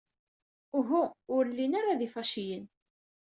Uhu, ur llin ara d ifaciyen.